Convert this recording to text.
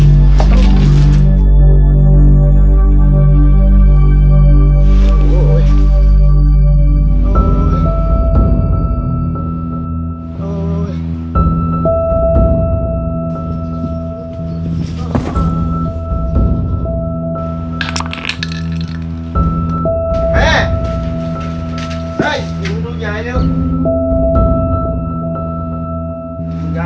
คุณแม่อย่าซ้อนรอยแก่ก็ไม่สามารถคุยกับแก่